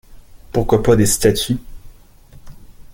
Pourquoi pas des statues?